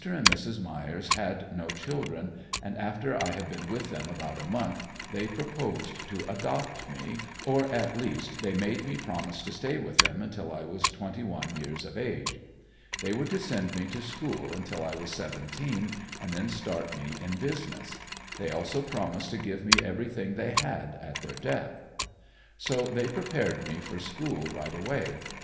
and Mrs. Myers had no children and after I had been with them about a month, they proposed to adopt me, or at least they made me promise to stay with them until I was twenty one years of age. They were to send me to school until I was seventeen and then start me in business. They also promised to give me everything they had at their death. So they prepared me for school right away.